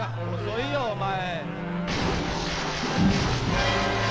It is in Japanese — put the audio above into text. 遅いよお前。